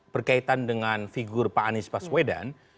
berkaitan dengan figur pak anies baswedan